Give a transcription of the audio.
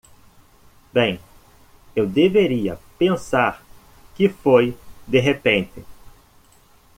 Bem, eu deveria pensar que foi de repente!